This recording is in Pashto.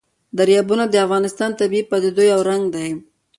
دریابونه د افغانستان د طبیعي پدیدو یو رنګ دی.